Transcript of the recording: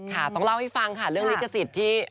ต้องเล่าให้ฟังค่ะเรื่องลิขสิทธิ์ที่